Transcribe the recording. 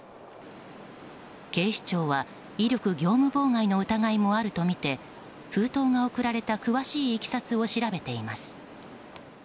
警視庁は威力業務妨害の疑いもあるとみて封筒が送られた詳しいいきさつを調べています。